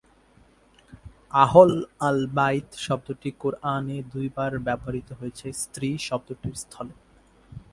আহল আল-বাইত শব্দটি কোরআন-এ দুইবার ব্যবহৃত হয়েছে 'স্ত্রী' শব্দটির স্থলে।